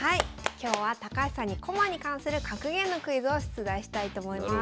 今日は高橋さんに駒に関する格言のクイズを出題したいと思います。